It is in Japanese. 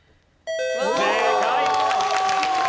正解！